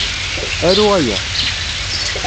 Aru aya.